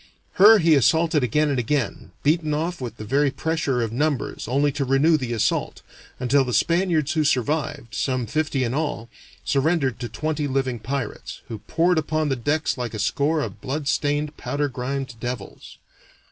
Her he assaulted again and again, beaten off with the very pressure of numbers only to renew the assault, until the Spaniards who survived, some fifty in all, surrendered to twenty living pirates, who poured upon their decks like a score of blood stained, powder grimed devils.